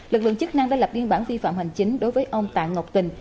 lực lượng chức năng đã lập điên bản vi phạm hành chính đối với ông tạ ngọc tình